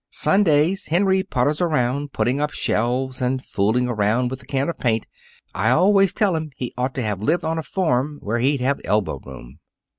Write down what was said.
Sundays, Henry putters around, putting up shelves, and fooling around with a can of paint. I always tell him he ought to have lived on a farm, where he'd have elbow room."